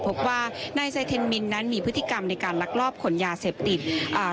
พบว่านายไซเทนมินนั้นมีพฤติกรรมในการลักลอบขนยาเสพติดอ่า